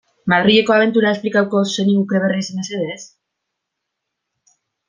Madrileko abentura esplikatuko zeniguke berriz, mesedez?